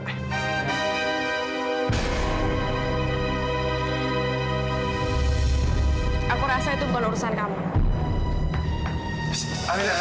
aku rasa itu bukan urusan kamu